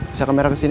bisa kamera ke sini